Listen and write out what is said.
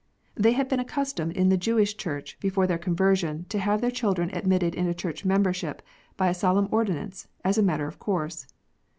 They, had been accustomed in the Jewish Church, before their conversion, to have their children admitted into church membership by a solemn ordinance, as a matter of course.